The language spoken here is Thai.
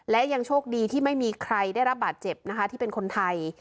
และยังโชคดีที่ไม่มีใครได้รับบาดเจ็บนะคะที่เป็นคนไทย